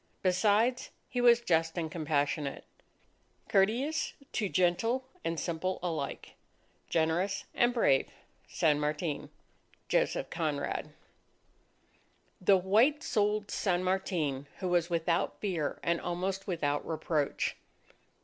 Besides, he was just and compassionate ... courteous to gentle and simple alike ... generous and brave San Martin. JOSEPH CONRAD _The white souled San Martin who was without fear and almost without reproach.